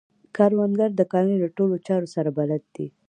کروندګر د کرنې د ټولو چارو سره بلد دی